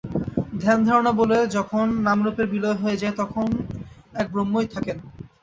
ধ্যান-ধারণা-বলে যখন নামরূপের বিলয় হয়ে যায়, তখন এক ব্রহ্মই থাকেন।